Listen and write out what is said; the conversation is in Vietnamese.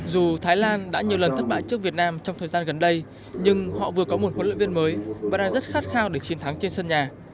dù thái lan đã nhiều lần thất bại trước việt nam trong thời gian gần đây nhưng họ vừa có một huấn luyện viên mới và đang rất khát khao để chiến thắng trên sân nhà